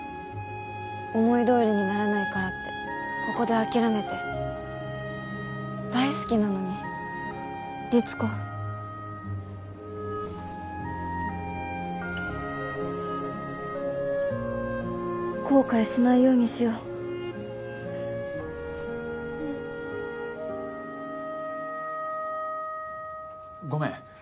思いどおりにならないからってここで諦めて大好きなのに律子後悔しないようにしよううんごめん